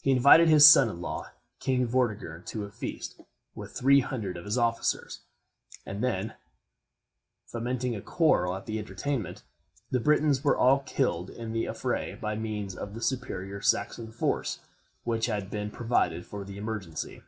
He invited his son in law, King Vortigern, to a feast, with three hundred of his officers, and then fomenting a quarrel at the entertainment, the Britons were all killed in the affray by means of the superior Saxon force which had been provided for the emergency.